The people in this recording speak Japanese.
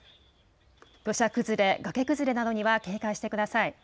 土砂崩れ、崖崩れなどには警戒してください。